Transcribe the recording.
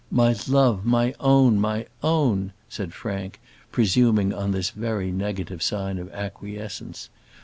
"My love, my own, my own!" said Frank, presuming on this very negative sign of acquiescence.